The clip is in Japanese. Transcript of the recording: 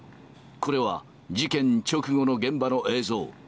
これは事件直後の現場の映像。